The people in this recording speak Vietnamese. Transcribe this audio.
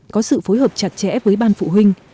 có sự phối hợp chặt chẽ với ban phụ huynh